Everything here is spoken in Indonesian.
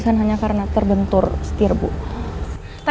kamu gak kenapa napa